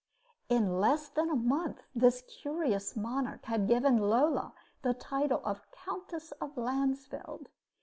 In less than a month this curious monarch had given Lola the title of Countess of Landsfeld.